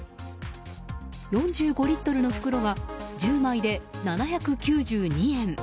４５リットルの袋が１０枚で７９２円。